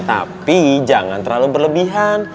tapi jangan terlalu berlebihan